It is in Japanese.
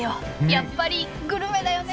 やっぱりグルメだよね！